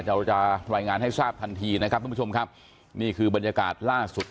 เราจะรายงานให้ทราบทันทีนะครับทุกผู้ชมครับนี่คือบรรยากาศล่าสุด